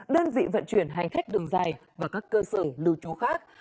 đơn vị vận chuyển hành khách đường dài và các cơ sở lưu trú khác